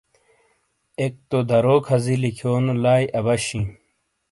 ایک تو دارو کھازی لکھیونو لائی ابش ہی۔